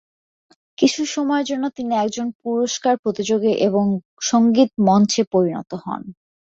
কিছু সময়ের জন্য তিনি একজন পুরস্কার-প্রতিযোগি এবং সঙ্গীত-মঞ্চে পরিণত হন।